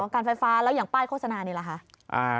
ค่ะอ๋อการไฟฟ้าแล้วอย่างป้ายโฆษณานี้ล่ะคะ